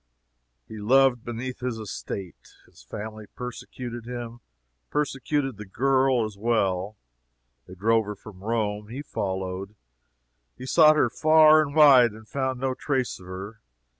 He loved beneath his estate. His family persecuted him; persecuted the girl, as well. They drove her from Rome; he followed; he sought her far and wide; he found no trace of her.